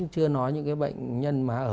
chưa nói những cái bệnh nhân mà ở